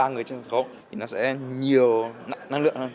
một mươi ba người trên sân khấu thì nó sẽ nhiều năng lượng hơn